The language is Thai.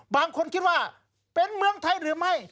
บางคนคิดว่าเป็นเมืองไทยหรือไม่